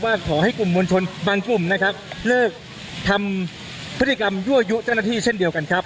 ขอให้กลุ่มมวลชนบางกลุ่มนะครับเลิกทำพฤติกรรมยั่วยุเจ้าหน้าที่เช่นเดียวกันครับ